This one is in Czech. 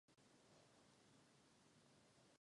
Potřebujeme více Evropy, nikoli méně Evropy.